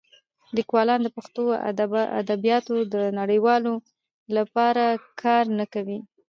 لیکوالان د پښتو ادبیاتو د نړیوالولو لپاره کار نه کوي.